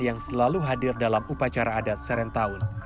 yang selalu hadir dalam upacara adat serentaun